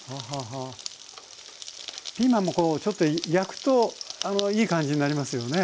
ピーマンもこうちょっと焼くといい感じになりますよね。